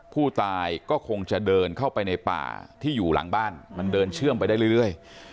ผู้ตายก็คงจะเดินเข้าไปในป่าที่อยู่หลังบ้านมันเดินเชื่อมไปได้เรื่อย